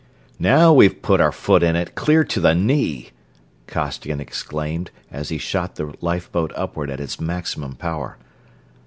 "Now we've put our foot in it, clear to the knee!" Costigan exclaimed, as he shot the lifeboat upward at its maximum power.